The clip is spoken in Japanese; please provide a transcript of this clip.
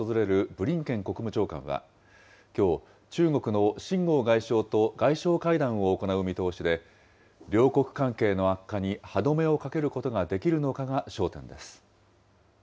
ブリンケン国務長官はきょう、中国の秦剛外相と外相会談を行う見通しで、両国関係の悪化に歯止めをかけることができるのかが焦点です。